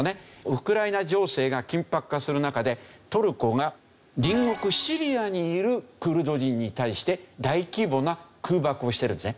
ウクライナ情勢が緊迫化する中でトルコが隣国シリアにいるクルド人に対して大規模な空爆をしているんですね。